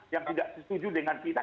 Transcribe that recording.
yang tidak setuju dengan kita